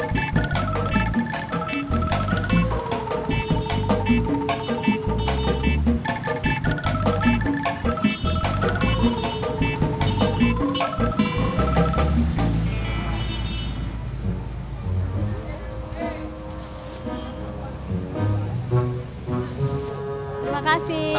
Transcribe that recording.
di bajuan di musliman